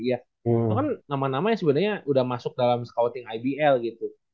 itu kan nama nama yang sebenarnya udah masuk dalam scouting ibl gitu